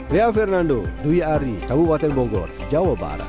ria fernando duy ari kabupaten bonggor jawa barat